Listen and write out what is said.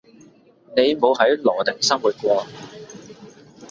你冇喺羅定生活過